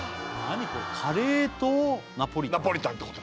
何これカレーとナポリタン？